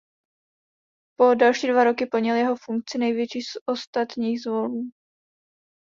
Po další dva roky plnil jeho funkci největší z ostatních zvonů.